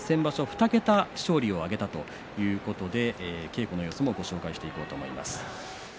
２桁勝利を挙げたということで稽古の様子をご紹介していこうと思います。